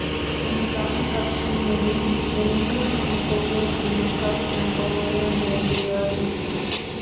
Elmydam kakamyň meni, meniň kakamy gowy görşünden has kän gowy görýändigini duýýardym.